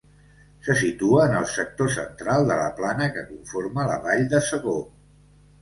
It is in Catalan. Se situa en el sector central de la plana que conforma la Vall de Segó.